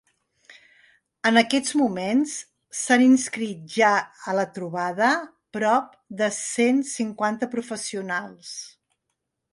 En aquests moments, s’han inscrit ja a la trobada prop de cent cinquanta professionals.